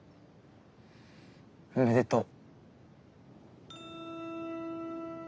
おめでとう。